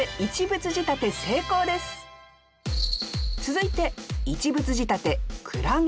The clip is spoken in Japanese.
続いて一物仕立て「海月」